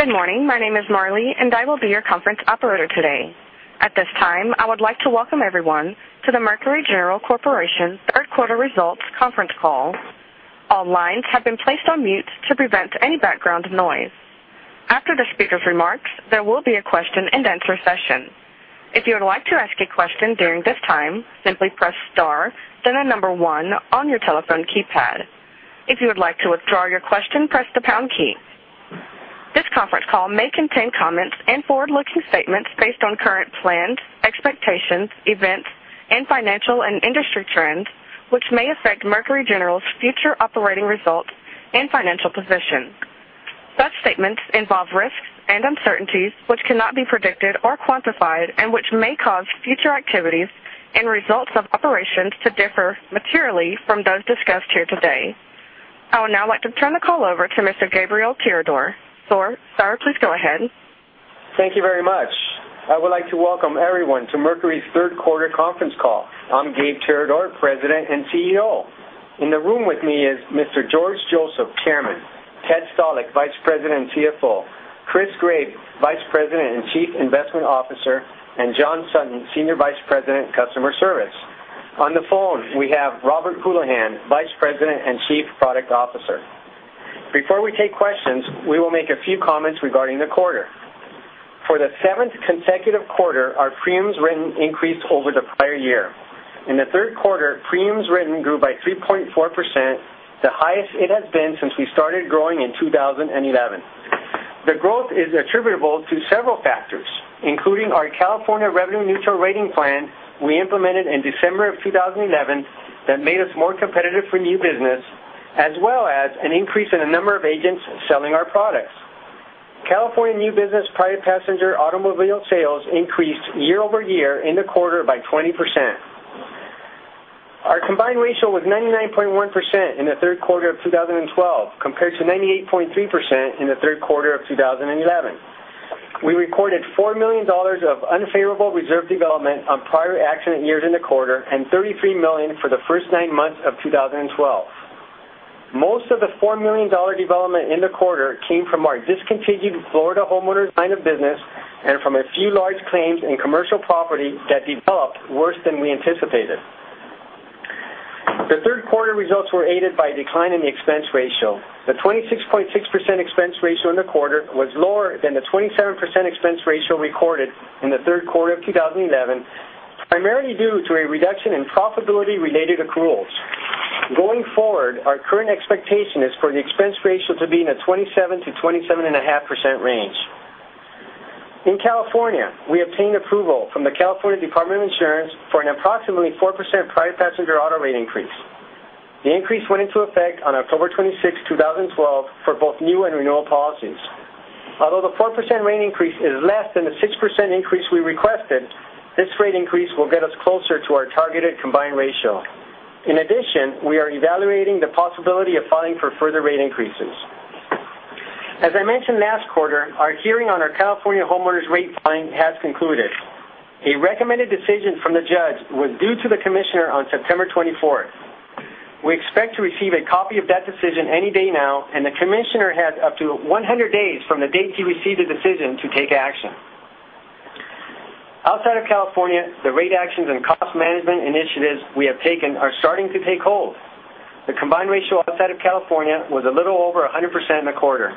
Good morning. My name is Marley, and I will be your conference operator today. At this time, I would like to welcome everyone to the Mercury General Corporation third quarter results conference call. All lines have been placed on mute to prevent any background noise. After the speaker's remarks, there will be a question-and-answer session. If you would like to ask a question during this time, simply press star, then the number 1 on your telephone keypad. If you would like to withdraw your question, press the pound key. This conference call may contain comments and forward-looking statements based on current plans, expectations, events, and financial and industry trends, which may affect Mercury General's future operating results and financial position. Such statements involve risks and uncertainties which cannot be predicted or quantified and which may cause future activities and results of operations to differ materially from those discussed here today. I would now like to turn the call over to Mr. Gabriel Tirador. Sir, please go ahead. Thank you very much. I would like to welcome everyone to Mercury's third quarter conference call. I'm Gabe Tirador, President and CEO. In the room with me is Mr. George Joseph, Chairman, Ted Stalick, Vice President and CFO, Christopher Graves, Vice President and Chief Investment Officer, and John Sutton, Senior Vice President, Customer Service. On the phone, we have Robert Houlihan, Vice President and Chief Product Officer. Before we take questions, we will make a few comments regarding the quarter. For the seventh consecutive quarter, our premiums written increased over the prior year. In the third quarter, premiums written grew by 3.4%, the highest it has been since we started growing in 2011. The growth is attributable to several factors, including our California revenue-neutral rating plan we implemented in December of 2011 that made us more competitive for new business, as well as an increase in the number of agents selling our products. California new business private passenger automobile sales increased year-over-year in the quarter by 20%. Our combined ratio was 99.1% in the third quarter of 2012, compared to 98.3% in the third quarter of 2011. We recorded $4 million of unfavorable reserve development on prior accident years in the quarter and $33 million for the first nine months of 2012. Most of the $4 million development in the quarter came from our discontinued Florida homeowners line of business and from a few large claims in commercial property that developed worse than we anticipated. The third quarter results were aided by a decline in the expense ratio. The 26.6% expense ratio in the quarter was lower than the 27% expense ratio recorded in the third quarter of 2011, primarily due to a reduction in profitability-related accruals. Going forward, our current expectation is for the expense ratio to be in the 27%-27.5% range. In California, we obtained approval from the California Department of Insurance for an approximately 4% private passenger auto rate increase. The increase went into effect on October 26, 2012, for both new and renewal policies. Although the 4% rate increase is less than the 6% increase we requested, this rate increase will get us closer to our targeted combined ratio. We are evaluating the possibility of filing for further rate increases. As I mentioned last quarter, our hearing on our California homeowners rate filing has concluded. A recommended decision from the judge was due to the commissioner on September 24th. We expect to receive a copy of that decision any day now, the commissioner has up to 100 days from the date he received the decision to take action. Outside of California, the rate actions and cost management initiatives we have taken are starting to take hold. The combined ratio outside of California was a little over 100% in the quarter.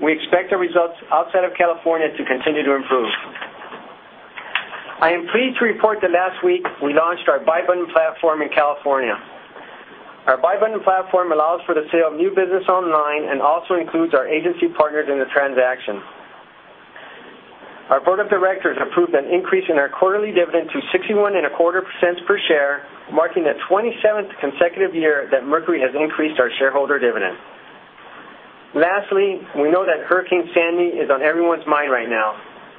We expect the results outside of California to continue to improve. I am pleased to report that last week we launched our buy button platform in California. Our buy button platform allows for the sale of new business online and also includes our agency partners in the transaction. Our board of directors approved an increase in our quarterly dividend to $0.6125 per share, marking the 27th consecutive year that Mercury has increased our shareholder dividend. We know that Hurricane Sandy is on everyone's mind right now.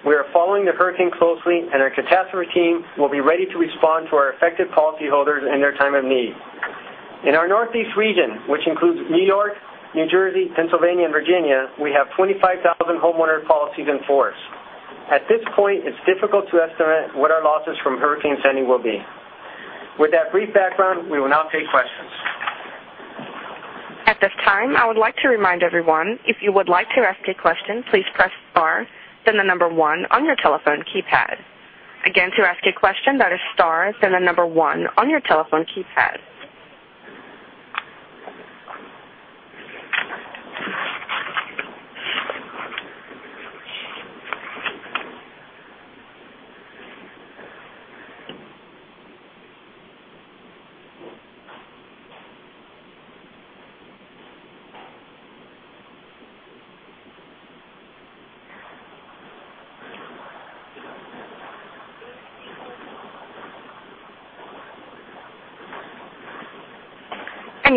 We are following the hurricane closely, our catastrophe team will be ready to respond to our affected policyholders in their time of need. In our Northeast region, which includes New York, New Jersey, Pennsylvania, and Virginia, we have 25,000 homeowner policies in force. At this point, it's difficult to estimate what our losses from Hurricane Sandy will be. With that brief background, we will now take questions. At this time, I would like to remind everyone, if you would like to ask a question, please press star, then the number one on your telephone keypad. Again, to ask a question, that is star, then the number one on your telephone keypad.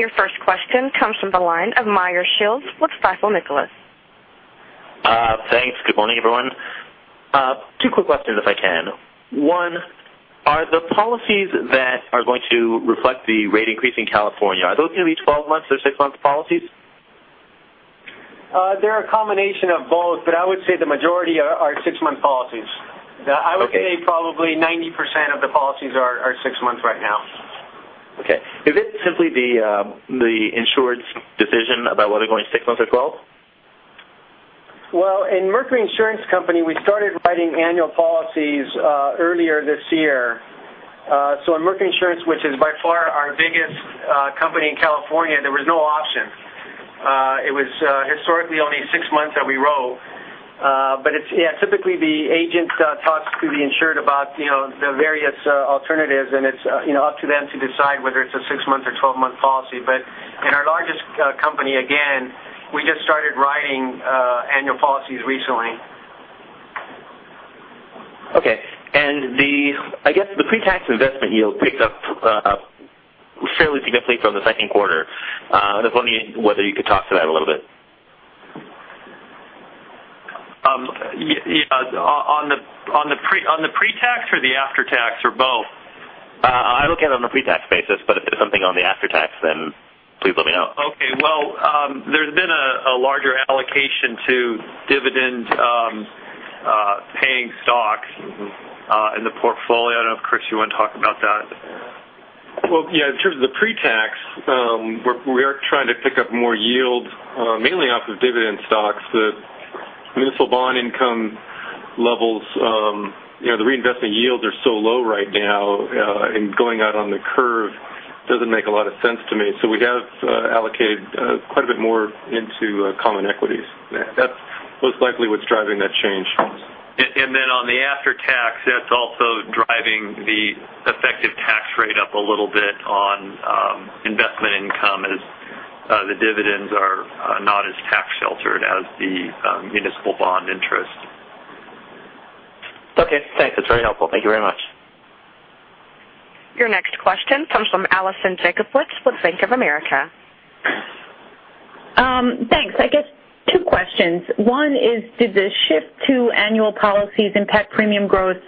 Your first question comes from the line of Meyer Shields with Stifel Nicolaus. Thanks. Good morning, everyone. Two quick questions, if I can. One, are the policies that are going to reflect the rate increase in California, are those going to be 12 months or six-month policies? They're a combination of both, but I would say the majority are six-month policies. Okay. I would say probably 90% of the policies are six months right now. Simply the insured's decision about whether they're going six months or 12? Well, in Mercury Insurance Company, we started writing annual policies earlier this year. In Mercury Insurance, which is by far our biggest company in California, there was no option. It was historically only six months that we wrote. Yeah, typically the agent talks to the insured about the various alternatives, and it's up to them to decide whether it's a six-month or 12-month policy. In our largest company, again, we just started writing annual policies recently. Okay. I guess the pre-tax investment yield picked up fairly significantly from the second quarter. I was wondering whether you could talk to that a little bit. On the pre-tax or the after-tax or both? I look at it on the pre-tax basis, if there's something on the after-tax, please let me know. Okay. Well, there's been a larger allocation to dividend-paying stocks in the portfolio. I don't know if, Chris, you want to talk about that. Well, yeah, in terms of the pre-tax, we are trying to pick up more yield mainly off of dividend stocks. The municipal bond income levels, the reinvestment yields are so low right now, and going out on the curve doesn't make a lot of sense to me. We have allocated quite a bit more into common equities. That's most likely what's driving that change. On the after-tax, that's also driving the effective tax rate up a little bit on investment income as the dividends are not as tax-sheltered as the municipal bond interest. Okay, thanks. That's very helpful. Thank you very much. Your next question comes from Alison Jacobowitz with Bank of America. Thanks. I guess two questions. One is, did the shift to annual policies impact premium growth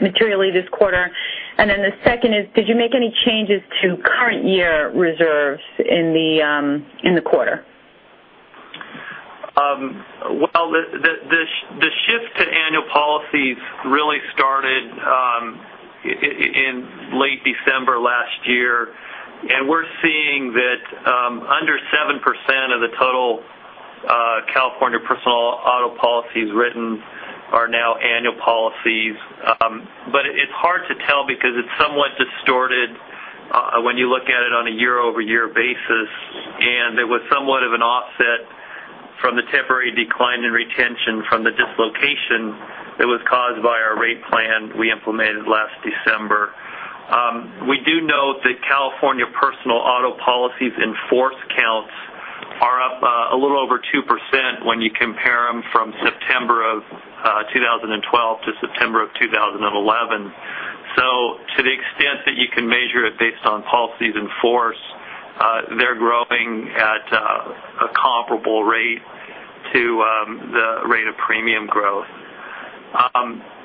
materially this quarter? The second is, did you make any changes to current year reserves in the quarter? Well, the shift to annual policies really started in late December last year, and we're seeing that under 7% of the total California personal auto policies written are now annual policies. It's hard to tell because it's somewhat distorted when you look at it on a year-over-year basis, and there was somewhat of an offset from the temporary decline in retention from the dislocation that was caused by our rate plan we implemented last December. We do know that California personal auto policies in force counts are up a little over 2% when you compare them from September of 2012 to September of 2011. To the extent that you can measure it based on policies in force, they're growing at a comparable rate to the rate of premium growth.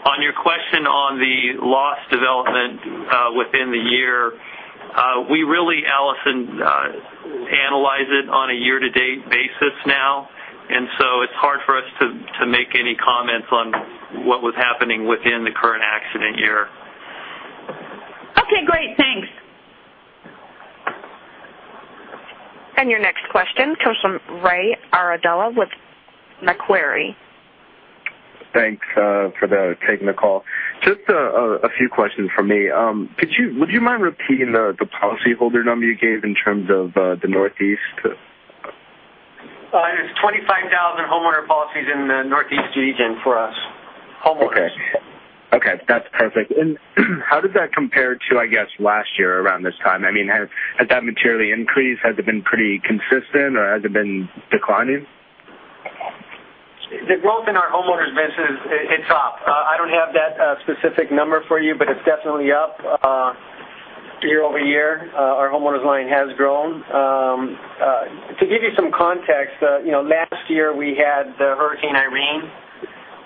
On your question on the loss development within the year, we really, Alison, analyze it on a year-to-date basis now, it's hard for us to make any comments on what was happening within the current accident year. Okay, great. Thanks. Your next question comes from Ray Arrieta with Macquarie. Thanks for taking the call. Just a few questions from me. Would you mind repeating the policyholder number you gave in terms of the Northeast? It's 25,000 homeowner policies in the Northeast region for us. Homeowners. That's perfect. How does that compare to, I guess, last year around this time? Has that materially increased? Has it been pretty consistent, or has it been declining? The growth in our homeowners business, it's up. I don't have that specific number for you, but it's definitely up year-over-year. Our homeowners line has grown. To give you some context, last year we had Hurricane Irene,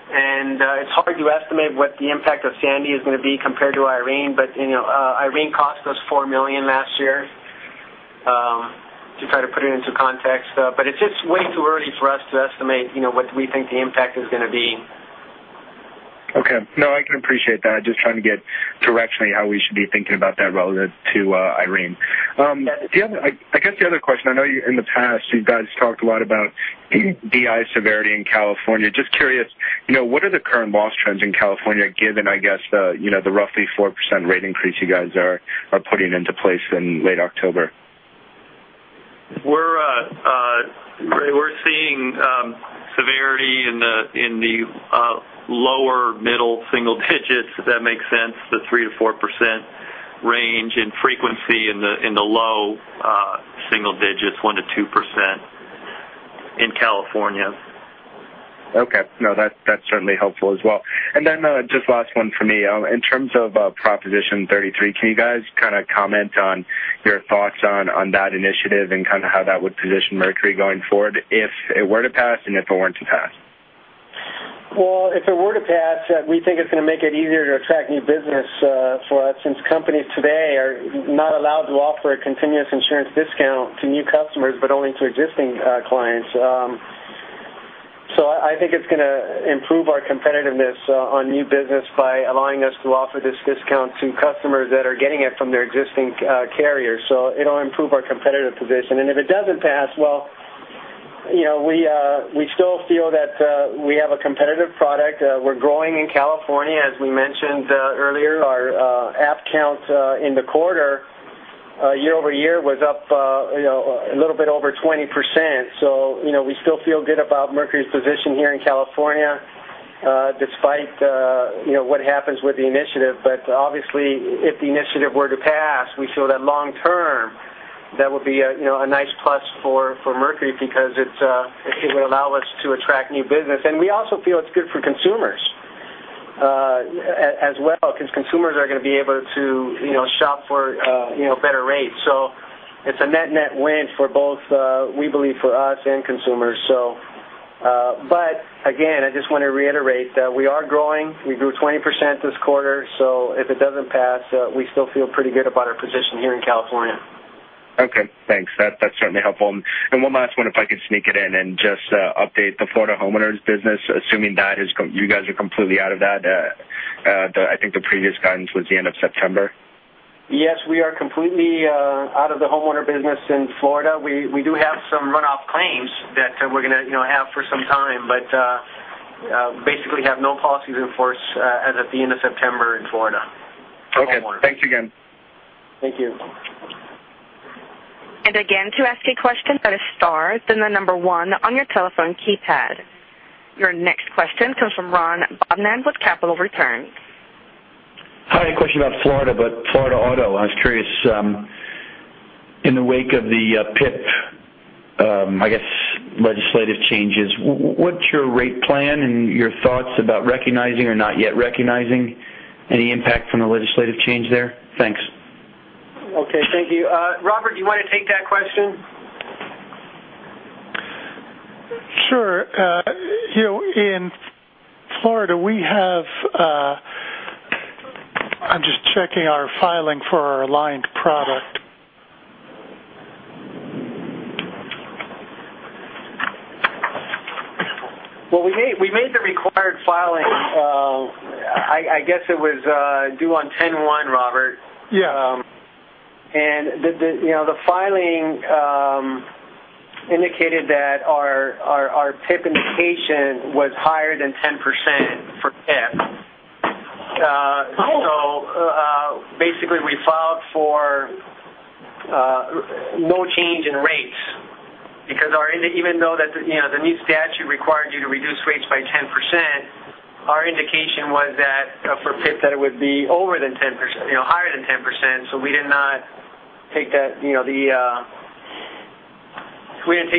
it's hard to estimate what the impact of Sandy is going to be compared to Irene. Irene cost us $4 million last year, to try to put it into context. It's just way too early for us to estimate what we think the impact is going to be. No, I can appreciate that. Just trying to get directionally how we should be thinking about that relative to Irene. The other question, I know in the past you guys talked a lot about BI severity in California. Just curious, what are the current loss trends in California, given, I guess, the roughly 4% rate increase you guys are putting into place in late October? Ray, we're seeing severity in the lower middle single digits, if that makes sense. 3%-4% range in frequency in the low single digits, 1%-2% in California. Okay. No, that's certainly helpful as well. Just last one for me. In terms of Proposition 33, can you guys kind of comment on your thoughts on that initiative and kind of how that would position Mercury going forward if it were to pass and if it weren't to pass? Well, if it were to pass, we think it's going to make it easier to attract new business for us, since companies today are not allowed to offer a continuous insurance discount to new customers, but only to existing clients. I think it's going to improve our competitiveness on new business by allowing us to offer this discount to customers that are getting it from their existing carrier. It'll improve our competitive position. If it doesn't pass, well, we still feel that we have a competitive product. We're growing in California, as we mentioned earlier. Our app count in the quarter year-over-year was up a little bit over 20%. We still feel good about Mercury's position here in California, despite what happens with the initiative. Obviously, if the initiative were to pass, we feel that long term, that would be a nice plus for Mercury because it would allow us to attract new business. We also feel it's good for consumers as well, because consumers are going to be able to shop for better rates. It's a net-net win for both, we believe for us and consumers. Again, I just want to reiterate, we are growing. We grew 20% this quarter. If it doesn't pass, we still feel pretty good about our position here in California. Okay. Thanks. That's certainly helpful. One last one, if I could sneak it in and just update the Florida homeowners business, assuming that you guys are completely out of that. I think the previous guidance was the end of September. Yes, we are completely out of the homeowner business in Florida. We do have some runoff claims that we're going to have for some time. Basically have no policies in force as at the end of September in Florida for homeowners. Okay. Thanks again. Thank you. Again, to ask a question, press star, then the 1 on your telephone keypad. Your next question comes from Ron Bobman with Capital Returns. Hi, a question about Florida auto. I was curious, in the wake of the PIP legislative changes, what's your rate plan and your thoughts about recognizing or not yet recognizing any impact from the legislative change there? Thanks. Okay. Thank you. Robert, do you want to take that question? Sure. In Florida, I'm just checking our filing for our aligned product. Well, we made the required filing. I guess it was due on 10/1, Robert. Yeah. The filing indicated that our PIP indication was higher than 10% for PIP. Oh. Basically, we filed for no change in rates because even though the new statute required you to reduce rates by 10%, our indication was that for PIP that it would be higher than 10%. We did not take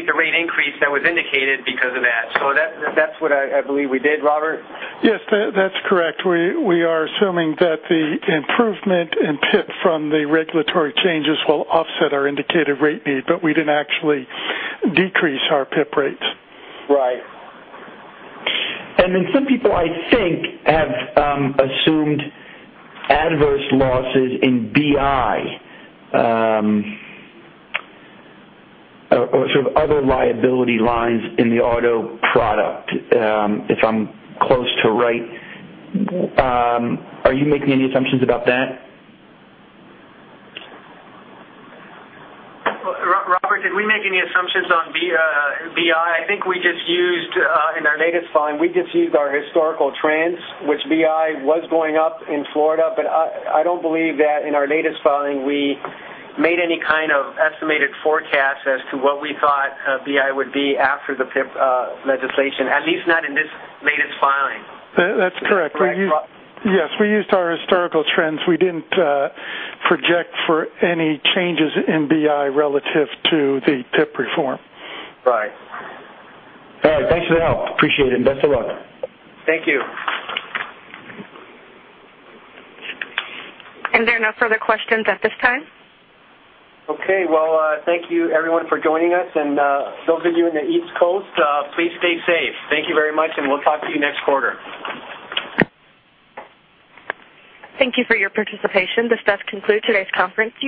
the rate increase that was indicated because of that. That's what I believe we did, Robert. Yes, that's correct. We are assuming that the improvement in PIP from the regulatory changes will offset our indicated rate need, but we didn't actually decrease our PIP rates. Right. Some people, I think, have assumed adverse losses in BI or other liability lines in the auto product. If I'm close to right, are you making any assumptions about that? Robert, did we make any assumptions on BI? I think we just used, in our latest filing, we just used our historical trends, which BI was going up in Florida. I don't believe that in our latest filing, we made any kind of estimated forecast as to what we thought BI would be after the PIP legislation, at least not in this latest filing. That's correct. Yes. We used our historical trends. We didn't project for any changes in BI relative to the PIP reform. Right. All right. Thanks for the help. Appreciate it, and best of luck. Thank you. There are no further questions at this time. Okay. Well, thank you everyone for joining us, and those of you in the East Coast, please stay safe. Thank you very much, and we'll talk to you next quarter. Thank you for your participation. This does conclude today's conference.